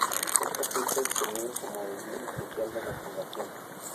Esta fecha es tenida como el día oficial de la fundación.